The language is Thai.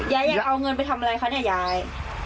ยายอยากเอาเงินไปทำอะไรคะเนี่ยยาย